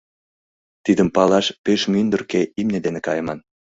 Тидым палаш пеш мӱндыркӧ имне дене кайыман!